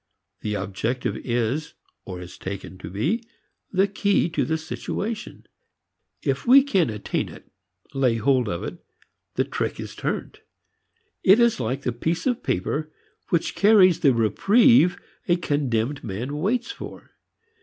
The objective is (or is taken to be) the key to the situation. If we can attain it, lay hold of it, the trick is turned. It is like the piece of paper which carries the reprieve a condemned man waits for.